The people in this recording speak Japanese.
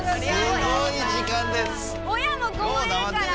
すごい時間です。